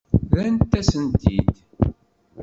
Rrant-asent-t-id.